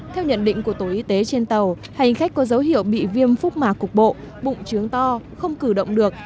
theo nhận định của tổ y tế trên tàu hành khách có dấu hiệu bị viêm phúc mạc cục bộ bụng trướng to không cử động được